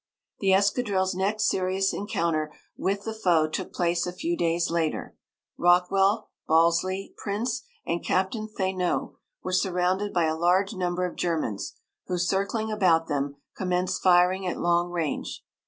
The escadrille's next serious encounter with the foe took place a few days later. Rockwell, Balsley, Prince, and Captain Thénault were surrounded by a large number of Germans, who, circling about them, commenced firing at long range.